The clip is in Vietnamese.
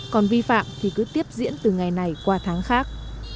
còn vi phạm thì cứ tiếp diễn từ ngày này qua tháng khác